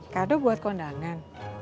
kado buat kondangan